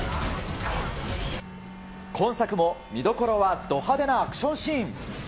今作も見どころはど派手なアクションシーン。